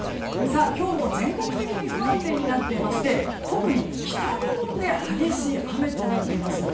今日も全国的に不安定になっていまして特に北日本で激しい雨となっています。